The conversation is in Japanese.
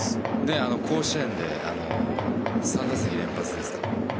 甲子園で、３打席連発ですか。